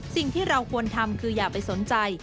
สิ่งที่เราควรทำคืออย่าไปสนใจ